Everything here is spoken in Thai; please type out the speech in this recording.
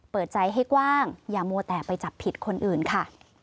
เปิดใจให้กว้างอย่ามัวแต่ไปจับผิดคนอื่นค่ะ